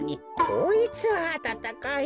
こいつはあたたかい。